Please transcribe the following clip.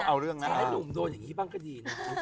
แสดงให้ลุงโดนอย่างนี้บ้างก็ดีนะ